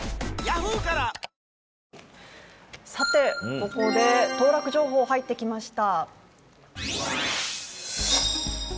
ここで当落情報入ってきました。